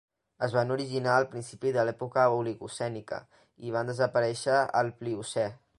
Es van originar al principi de l'època oligocènica i van desaparèixer al pliocè.